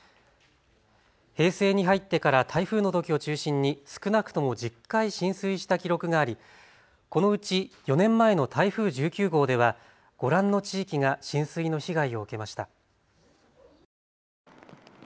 平成に入ってから台風のときを中心に少なくとも１０回浸水した記録があり、このうち４年前の台風１９号では、ご覧の地域が浸水の被害を受けました。